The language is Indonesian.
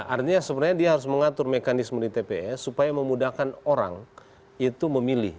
artinya sebenarnya dia harus mengatur mekanisme di tps supaya memudahkan orang itu memilih